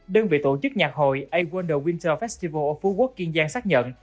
đơn vị tổ chức nhạc hội a wonder winter festival ở phú quốc kiên giang xác nhận